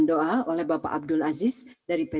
jika tuhan kemasai pun